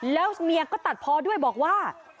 แล้วเมียก็ตัดพอด้วยบอกว่า